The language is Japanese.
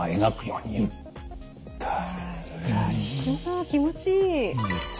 あ気持ちいい。